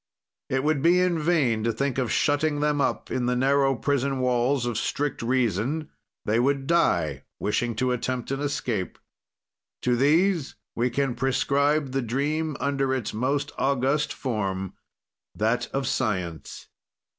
"It would be in vain to think of shutting them up in the narrow prison walls of strict reason; they would die wishing to attempt an escape. "To these we can prescribe the dream under its most august form, that of science.